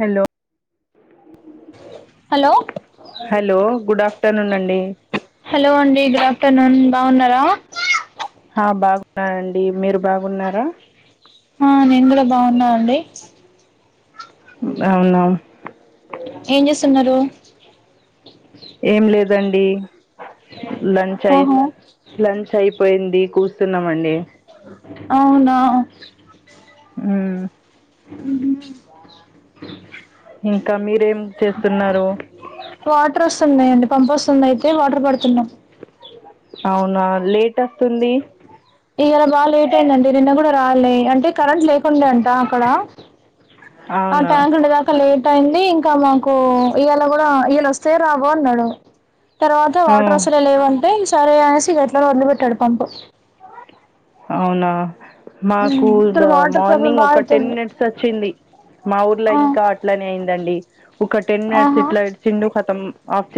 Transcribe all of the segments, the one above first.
Hello hello hello good afternoon అండి hello అండి good afternoon బావున్నారా ఆ బాగున్నాండి మీరు బాగున్నారా హా నేన్ గూడా బావున్నాండి. అవునా ఏన్ జేస్సున్నారు. ఏం లేదండి లంచ్ అయ్ ఆహా లంచ్ అయిపోయింది కూసున్నమండి. అవునా ఉ ఉ హు ఇంకా మీరేం చేస్తున్నారు. వాటర్ ఒస్సున్నయండి పంప్ ఒస్సుంది అయితే వాటర్ పడుతున్నాం అవునా లేట్ అస్తుంది. ఈయల బాగా లేట్ అయిందండి నిన్న గూడా రాలే అంటే కరెంట్ లేకుండా అంట అక్కడ ఆ అవునా ట్యాంక్ ఉండదా క లేట్ అయింది ఇంకా మాకూ ఇయల గూడా ఇయల ఒస్థాయో రావో అన్నాడు తర్వాత ఆ వాటర్ ఒసలే లేవంటే సరే అనేసి ఇగ ఎట్లనో ఒద్లిబెట్టాడు పంపు అవునా మాకు ద ఇక్కడ వాటర్ ప్రాబ్లం మార్నింగ్ బాగా ఒక టెన్ అయితుంది మినిట్స్ ఒచ్చింది. మా ఊర్లో ఆ ఇంకా అట్లనే అయిందండి ఒక టెన్ మినిట్స్ ఆహా ఇట్లా ఇడ్సిండు కతం ఆఫ్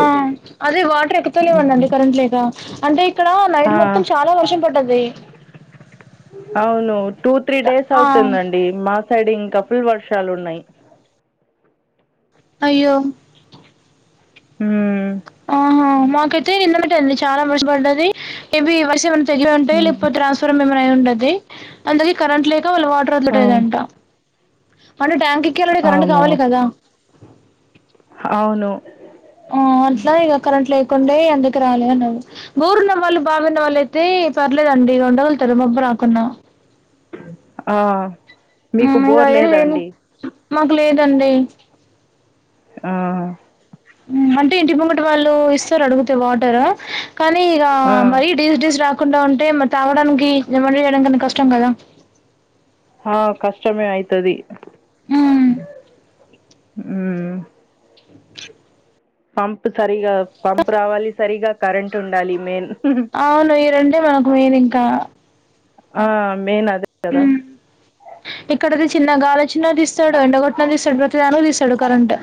ఆ అదే వాటర్ ఎక్కుతేలివండండి ఉమ్ కరెంట్ లేకా అంటే ఇక్కడా నైట్ ఆ మొత్తం చాలా వర్షం పడ్డది. అవును టూ త్రీ డేస్ ఆ అవుతుందండి మా సైడ్ ఇంకా ఫుల్ వర్షాల్ ఉన్నాయ్. అయ్యో ఉమ్ తే నిమ్మటే అడి చాలా మంచ్ పడ్డది హెవీ వర్షం అంటే ఎట్లా ఉంటా హ్మ్ లేక్పోతే ట్రాన్స్ పరం ఏమమా అయి ఉంటది అందుకే కరెంట్ లేక వాళ్ళ వాటర్ ఆ! ఒద్లతలెదంట అంటే ట్యాంక్ ఎక్కియాలంటే కరెంట్ అవును అవునా కావాలే కదా అవును ఆ అట్లానే ఇగ కరెంట్ లేకుండే అందుకెరాలే అన్నాడు బోరున్న వాళ్ళు బావున్నవాళ్ళు అయితే పర్లేదండి ఉండగల్తరు మబ్బు రాకున్నా ఆ మీకు ఇక బోర్ ఏం లేదా లేని అండి. మాకు లేదండి ఆ అంటే ఇంటి ముంగటా వాళ్ళూ ఇస్తారు అడిగుతే వాటరు కానీ ఇక ఆ మరీ డీస్ డీస్ రాకుండా ఉంటే మ తాగడాన్కి ఏమండ ఇయడానికి అంటే కష్టం గదా ఆ కష్టమే అయితది ఉమ్ ఉమ్ హామ్ పంప్ సరిగా పంప్ రావాలి సరిగా కరెంట్ ఉండాలి మెయిన్ అవును ఈ రెండే మనకు మెయిన్ ఇంకా ఆ మెయిన్ అదే కదా హ్మ్. ఇక్కడది చిన్న గాలొచ్చిన తీస్తాడు ఎండగొట్టిన తీస్తాడు ప్రతిదానికి తీస్తాడు కరెంట్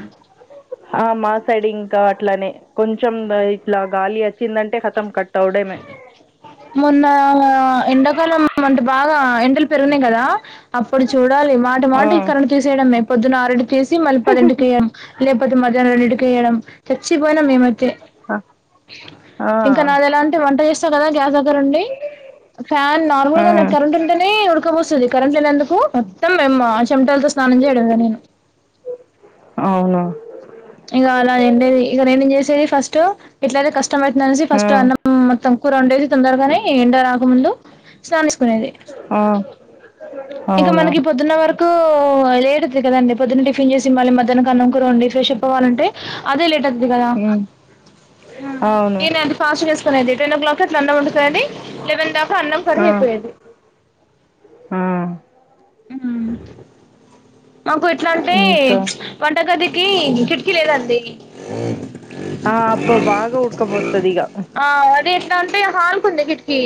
ఆ మా సైడ్ ఇంకా అట్లానే కొంచెం ఇట్లా గాలి వచ్చిందంటే కతం కట్ అవడమే [unintelligible] మొన్న ఎండాకాలం అంటే బాగా ఎండలు పెరిగినాయి కదా అప్పుడు చూడాలి మాట ఆ మాట ఈ కరెంటు తీసేయడమే పొద్దున్న ఆరింటికి తీసి మళ్ళీ పదింంటికయ లేకపోతే మధ్యాహ్నం రెండింటికి వేయడం చచ్చిపోయినా మేమైతే ఆ ఆ! ఇంకా నాది ఎలా అంటే వంట చేస్తా కదా గ్యాస్ దగ్గరుండి ఫ్యాన్ నార్మల్ ఆ గా కరెంట్ ఉంటేనే ఉడకబోస్తుంది కరెంట్ లేనందుకు మొత్తం మేము ఆ చెమటాలతో స్నానం చేయడమే నేను అవును ఇక అలా నండేది ఇక నేను చేసేది ఫస్ట్ ఎట్లయితే కష్టం పడుతుంద అనేసి ఆ ఫస్ట్ అన్న మోత్తం కుర వండేది తొందరగానే ఏండ రాకముందు స్నానం చేసుకునేది ఆ ఇంకా అవును మనకి పో పొద్దున్న వరకు లేట్ అయింది కదండి పొద్దున్న టిఫిన్ చేసి మళ్లీ మధ్యాహ్నం అన్నం కూర వండి ఫ్రెష్ అప్ అవ్వాలంటే అదే లేట్ అది కదా ఉమ్ అవును నేను అంత ఫాస్ట్ గా చేసుకునేది టెన్ ఓ క్లాక్ అట్లా అన్నం వండుకొని లేవెన్ దాకా అన్నం కర్రీ ఆ అయిపోయేది ఆ ఉమ్ మాకు ఎట్లా అంటే ఇంకా వంటగదికి కిటికీ లేదండి ఆ అబ్బ బాగా ఉడుక కోస్తదిక ఆ అది ఎట్లా అంటే హాల్కుంది కిటికి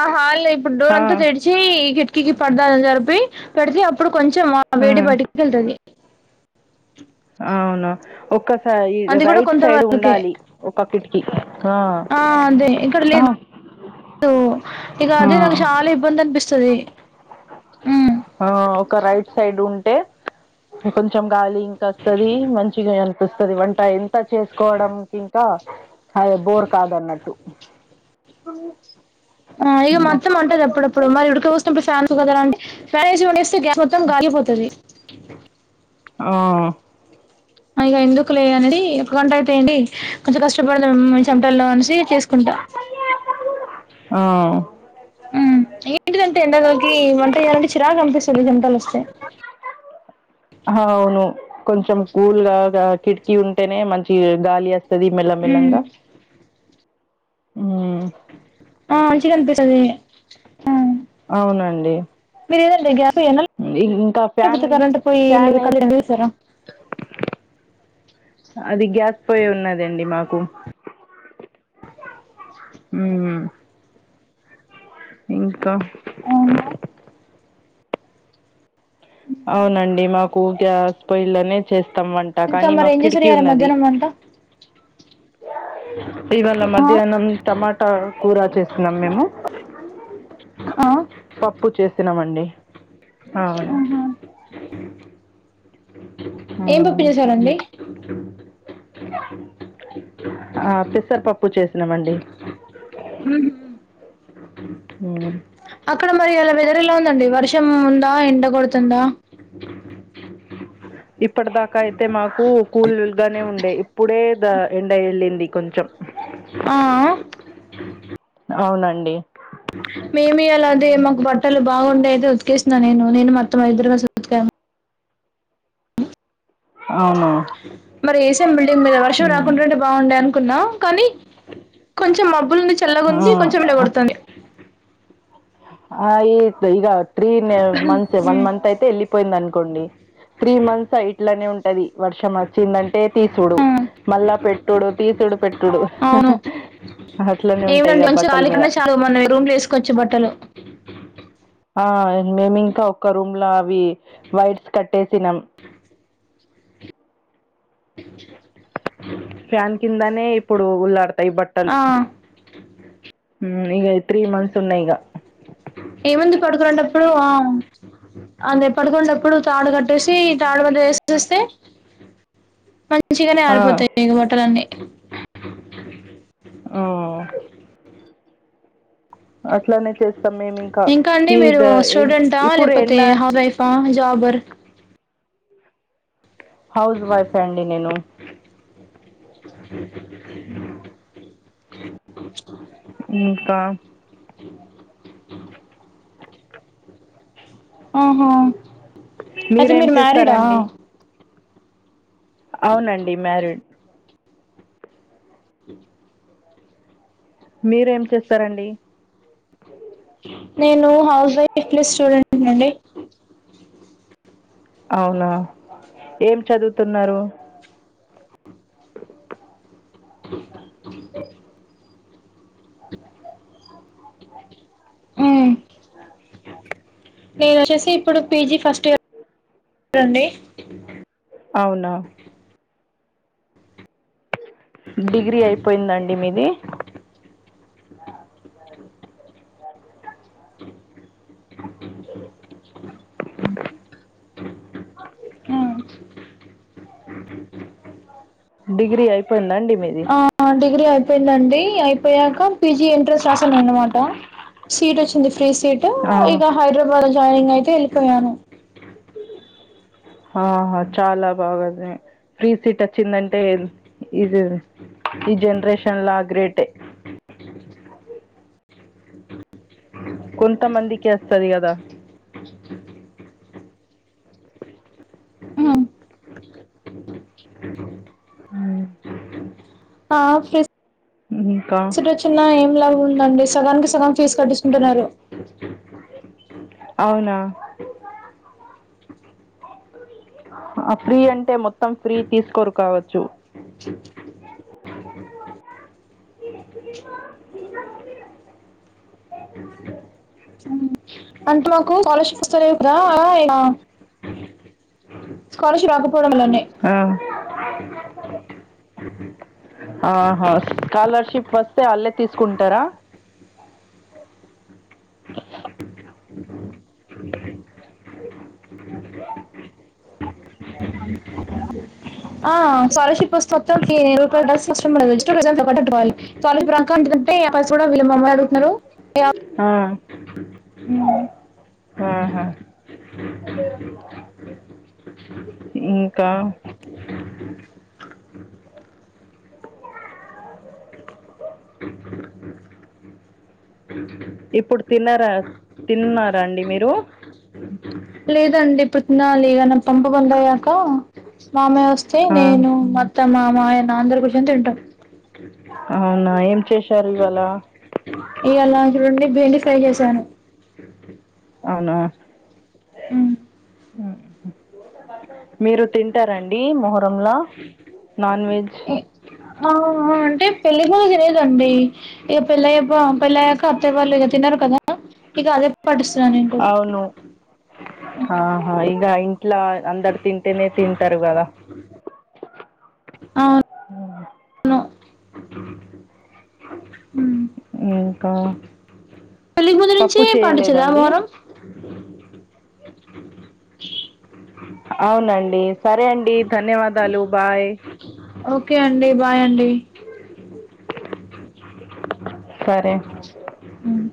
ఆ హాల్లో ఇప్పుడు డోర్ ఆ అంత తెరిస్ చీ కిటికీకి పడదని జరిపి పెడితే అప్పుడు కొంచెం ఆ వేడి బయటికి వెళ్తాది అవునా ఒక్కసై అది కూడా రైట్ కొంత సైడ్ వరకే ఉండాలి ఒక్క కిటికి ఆ ఆ అదే ఇక్కడ లేదు [unintelligible] ఇక ఆ అదే నాకు చాలా ఇబ్బంది అనిపిస్తుది ఆ ఒక రైట్ సైడ్ ఉంటే కొంచెం గాలి ఇంకా వస్తుది మంచిగా అనిపిస్తుంది వంట ఎంత చేసుకోవడానికి ఇం అదే బోర్ కాదన్నట్టు ఆ ఇక హ్మ్. మా అత్తమ్మ అంటది అప్పుడప్పుడు మరి ఉడక పోస్తున్నప్పుడు ఫ్యాన్స్ ఉంది కదా అని ఫ్యాన్ వేసి వండేస్తే గ్యాస్ మొత్తం గాలిపోతది ఆ ఇక ఎందుకు లే అనేది ఒక గంట అయితడి కొంచెం కష్టపడదాం చెమటల్లో అనేసి చేసుకుంటా ఆ ఏంటిదంటే ఎండగాలికి వంట చేయాలంటే చిరాకుగా అనిపిస్తుంది చెమటలొస్తే అవును కొంచెం కూల్ గా కిటికీ ఉంటేనే మంచి గాలి వేస్త తది మేలా ఉమ్. మేలంగా ఆ మంచిగా అనిపిస్తది ఆ అవునండి మీరు ఏదంట గ ఇం ఇంకా ఫ్యాన్ [unintelligible] కరంట పోయి ఫ్యాన్ ఏస్ కళ్యాణ తీసార అది గ్యాస్ పొయ్యి ఉన్నదండి మాకు ఉ ఇంకా అవునండి మాకు గ్యాస్ పోయెలోనే చేస్తాం వంట ఇంకా కానీ మరి మా ఏం చేశారు కిటికి ఇయాల ఉన్నది మధ్యాహ్నం వంట ఇవాళ ఆ మధ్యాహ్నం టమాటా కూర చేస్తున్నాం మేము ఆ పప్పు చేసినామండి అవును ఆహా. ఏం హ్మ్. పప్పించేశారండి ఆ పెసరపప్పు చేసినామండి ఉహు. ఊ అక్కడ మరి ఇయల వేదర ఎలా ఉందండి వర్షం ఉందా ఎండ కొడుతుందా ఇప్పటి దాకా అయితే మాకు కూలీలుగానే ఉండే ఇప్పుడే ద ఎండ ఎళ్ళింది కొంచెం ఆ ఆ అవునండి మేమిఈయాలాదె మాకు బట్టలు బాగుండేది ఉతికేసిన నేను నేను మొత్తం ఐదు రోజులు అవును మరి ఏసేం బిల్డింగ్ మీద వర్షం మ్మ్. రాకుంటన్టే బాగుండే అనుకున్నాం కానీ కొంచెం మబ్బులుంది చల్లగా ఆ, ఉంది కొంచెం ఎండగొడుతుంది ఆ ఈలెగ్ త్రీ మంత్స్ వన్ మంత్ అయితే ఎలిపోయింద అన్కోండి త్రీ మంత్స్ ఇట్లనే ఉంటది వర్షం వచ్చిందంటే తీస్ చూడు ఆ, మళ్ళా పెట్టుడు తీసుడు పెట్టుడు అవును అట్లనే ఉంటాయి బట్టల మీద తు మనరూమ్లలేసు కోచ్చు బట్టలు ఆ మేమింకా ఒక్క రూమ్ లో అవి వర్స్ కట్టేసినాం హామ్ ఫ్యాన్ కిందనే ఇప్పుడు ఉగుల్లాడతాయి బట్టలు ఆ హ్మ్ ఇగ త్రీ మంత్స్ ఉన్నాయిగ ఏమైంది పడుకునప్పుడు వం అదే పడునెప్పడు తాడు కట్టేసి తాడు కటెస్తే మంచిగనే ఆ అరిపోతాయి ఇగ బట్టలన్నీ ఆ అట్లానే చేస్తాం మేము ఇంకా అండి ఈ మీరు ద ఎన్ స్టూడెంటా ఇప్పుడు లేకపోతే ఎండ హౌస్ వైఫ్ ప ఆ జాబర్ హౌస్ వైఫ్ ఏ అండి నేను ఇంకా ఆహా అయితే మీరేం మీరు మ్యారీడ్ ఆ చేస్తారండి అవునండి మ్యారీడ్ అ [inaudible] మీరెమ్చేస్తారండి నేను హౌస్ వైఫ్‌లో స్టూడెంట్‌ని అండి అవునా ఏం చదువుతున్నారు హ మ్మ్. ఆ నేను వచ్చేసి ఇప్పుడు పీజీ ఫస్ట్ ఇయ [inaudible] ర్ అండి అవునా డిగ్రీ అయిపోయిందా అండి మీది అఓకే మ్మ్. డిగ్రీ అయిపోయిందాండి మీది ఆ డిగ్రీ అయిపోయింది అండి అయిపోయాక పీజీ ఎంట్రెన్స్ రాశాను అన్నమాట సీట్ వచ్చింది ఫ్రీ సీటు ఆ ఇక హైదరాబాద్ జాయినింగ్ అయితే ఎళ్ళిపోయాను ఆహా చాలా బాగుంది ఫ్రీ సీట్ వచ్చిందంటే ఇది ఈ జనరేషన్ల గ్రేటే కొంతమందికే అస్తది‌ కదా మ్మ్. ఉమ్ ఆ ఫ్రీ ఇంకా సీటు వచ్చిన ఏం లాభం ఉందండి సగానికి సగం ఫీజ్ కట్టిచుకుంటున్నారు అవునా ఆ ఫ్రీ అంటే మొత్తం ఫ్రీ తీసుకోరు కావచ్చు అ [unintelligible] [inaudible] అంటే మాకు స్కాలర్షిప్ వస్తలేవు కదా [unintelligible] స్కాలర్షిప్ రాక పోవడం వల్లనే ఆ ఆహా స్కాలర్షిప్ వస్తే ఆళ్ళే తీసుకుంటారా [inaudible] ఉహు [inaudible] అ ఆ ఆ స్కాలర్షిప్ వస్తే మొత్తం ఫి రూపాయి [unintelligible] స్కాలర్షిప్ రాకంటిది అంటే ఆ పైస కూడా వీళ్లు మమ్మల్నే అడుగుతున్నారు ఆ ఉమ్ ఆహా ఇంకా ఇప్పుడు తిన్నార తిన్నారా అండి మీరు లేదండి ఇప్పుడు తినాలి ఇగ నా పంపు బంద్ అయ్యాక మామయ్య వ స్తే ఆ నేను మా అత్తమ్మ మా ఆయన అందరూ కూర్చుని తింటాం అవునా ఏం చేశారు ఇవ్వాళా ఇయ్యాల రెండి బెండి ఫ్రై చేశాను అవునా ఉమ్మ్ మ్మ్ఉమ్మ్ మీరు తిం టారండి మొహరంలా నాన్ వెజ్ ఎ ఆ ఆ అంటే పెళ్లి [unintelligible] లేదండి ఇగ పెళ్ళైయ్య పోం పెళ్ళి అయ్యాక అత్తయ్య వాళ్ళు ఇగ తినరు కదా ఇగ అదే పాటిస్తున్నాను నేను కూడా. అవును ఆహా ఇగ ఇంట్ల అందడు తింటేనే తింటారు కదా అవున్ ఊమ్ ఇంకా పెళ్ళికి ముందు పప్పు నుంచి పాటించేదా చేయలేదండి మొహరం? అవునండి సరే అండి ధన్యవాదాలు బాయ్ ఓకే అండి బాయ్ అండి సరే హ్మ్.